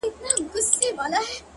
• تر دې ډنډه یو کشپ وو هم راغلی ,